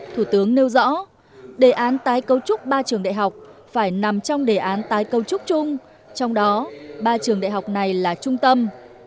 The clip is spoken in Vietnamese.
thủ tướng nêu rõ đề án tái cấu trúc ba trường đại học phải nằm trong đề án tái cấu trúc chung trong đó ba trường đại học này là trung tâm